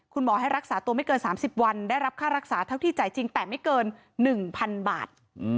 คุณหมอให้รักษาตัวไม่เกิน๓๐วันได้รับค่ารักษาเท่าที่จ่ายจริงแต่ไม่เกิน๑๐๐๐บาท